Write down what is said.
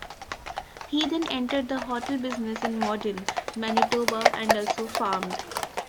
He then entered the hotel business in Morden, Manitoba and also farmed.